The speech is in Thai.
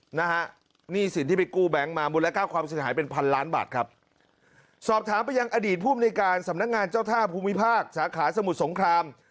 นะฮะหนี้สินที่ไปกู้แบงค์มามูลค่าความเสียหายเป็นพันล้านบาทครับสอบถามไปยังอดีตภูมิในการสำนักงานเจ้าท่าภูมิภาคสาขาสมุทรสงคราม